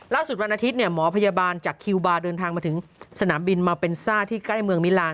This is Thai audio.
วันอาทิตย์หมอพยาบาลจากคิวบาร์เดินทางมาถึงสนามบินมาเป็นซ่าที่ใกล้เมืองมิลาน